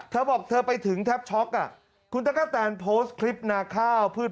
เธอบอกเธอไปถึงแทบช็อกอ่ะคุณตะกะแตนโพสต์คลิปนาข้าวพืช